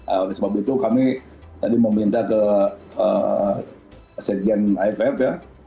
oleh sebab itu kami tadi meminta ke sekjen iff ya